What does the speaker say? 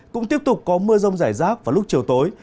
cũng tiếp tục có mưa rông giải rác và lúc chiều tối